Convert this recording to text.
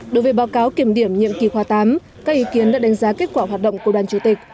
đối với báo cáo kiểm điểm nhiệm kỳ khoa tám các ý kiến đã đánh giá kết quả hoạt động của đoàn chủ tịch